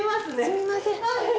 すいません。